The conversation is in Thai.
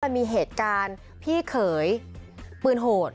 มันมีเหตุการณ์พี่เขยปืนโหด